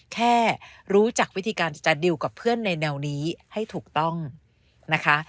แค่รู้จักวิธีการจะดิวกับเพื่อนในแนวนี้ให้ถูกต้องนะคะ